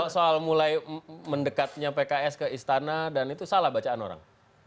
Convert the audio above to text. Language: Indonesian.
soal mulai mendekatnya pks ke istana dan itu salah bacaan orang